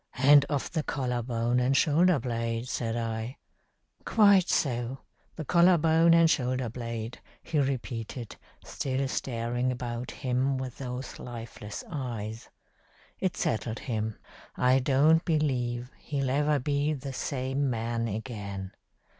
'And of the collar bone and shoulder blade,' said I. 'Quite so. The collar bone and shoulder blade,' he repeated, still staring about him with those lifeless eyes. It settled him. I don't believe he'll ever be the same man again.